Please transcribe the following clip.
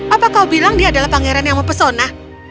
apa kau bilang dia adalah pangeran yang mempesona